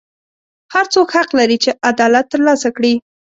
هر څوک حق لري چې عدالت ترلاسه کړي.